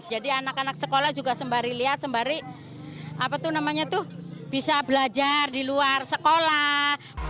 jadi anak anak sekolah juga sembari lihat sembari bisa belajar di luar sekolah